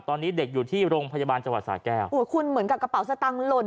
ตอนนี้เด็กอยู่ที่โรงพยาบาลจังหวัดสาแก้วอุ้ยคุณเหมือนกับกระเป๋าสตังค์หล่น